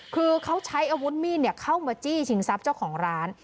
คือเขาใช้อาวุธมีดเข้ามาจี้ชิงทรัพย์เจ้าของร้าน